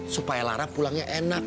supaya lara pulangnya enak